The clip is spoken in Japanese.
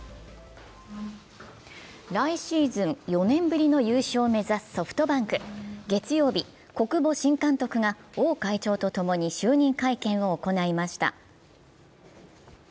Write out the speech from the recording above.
来シーズン４年ぶりの優勝を目指すソフトバンク。月曜日、小久保新監督が王会長とともに就任会見を行いました。